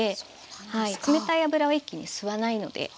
冷たい油を一気に吸わないのではい。